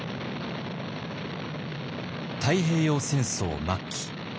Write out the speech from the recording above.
太平洋戦争末期。